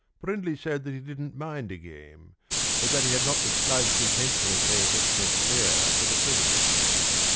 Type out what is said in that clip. Brindley said that he didn't mind a game, but that he had not the slightest intention of paying excess fare for the privilege.